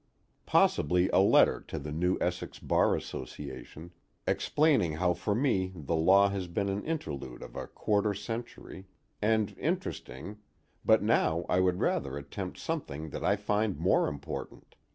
Possibly a letter to the New Essex Bar Association, explaining how for me the law has been an interlude of a quarter century, and interesting, but now I would rather attempt something that I find more important.